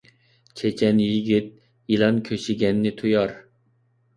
چېچەن يىگىت يىلان كۆشىگەننى تۇيار